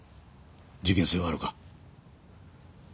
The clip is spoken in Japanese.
事件性はあるか？